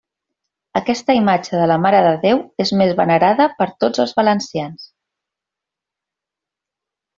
Aquesta imatge de la marededéu és més venerada per tots els valencians.